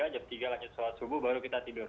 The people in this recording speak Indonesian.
jam tiga lanjut sholat subuh baru kita tidur